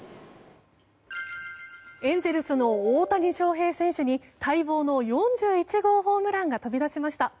エンゼルスの大谷翔平選手に待望の４１号ホームランが飛び出しました。